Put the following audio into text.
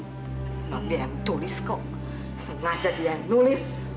emang dia yang tulis kok sengaja dia yang nulis